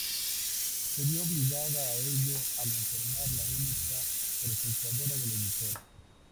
Se vio obligada a ello al enfermar la única presentadora de la emisora.